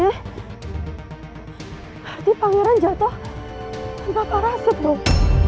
berarti pangeran jatuh tanpa karasep dong